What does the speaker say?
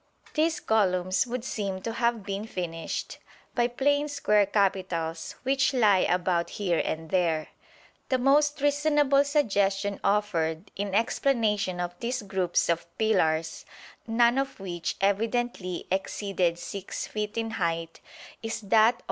These columns would seem to have been finished by plain square capitals which lie about here and there. The most reasonable suggestion offered in explanation of these groups of pillars, none of which evidently exceeded 6 feet in height, is that of M.